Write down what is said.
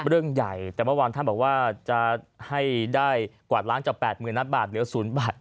เรื่องใหญ่แต่เมื่อวานท่านบอกว่าจะให้ได้กวาดล้างจาก๘๐๐๐ล้านบาทเหลือ๐บาท